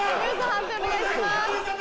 判定お願いします。